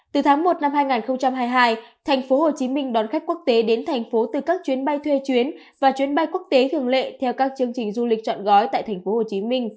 từ tháng một năm hai nghìn hai mươi hai tp hcm đón khách quốc tế đến thành phố từ các chuyến bay thuê chuyến và chuyến bay quốc tế thường lệ theo các chương trình du lịch chọn gói tại tp hcm